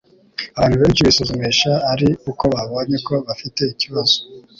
abantu benshi bisuzumisha ari uko babonye ko bafite ikibazo